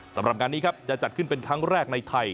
สำหรับงานนี้ครับจะจัดขึ้นเป็นครั้งแรกในไทย